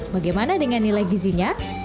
bagaimana dengan nilai gizinya